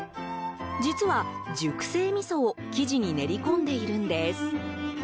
実は熟成みそを生地に練り込んでいるんです。